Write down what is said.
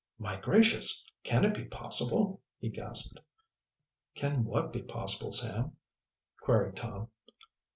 "My gracious, can it be possible!" he gasped. "Can what be possible, Sam?" queried Tom.